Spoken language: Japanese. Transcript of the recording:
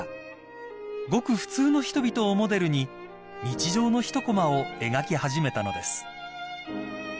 ［ごく普通の人々をモデルに日常の一こまを描き始めたのです］